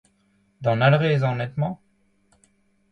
D'an Alre ez a an hent-mañ ?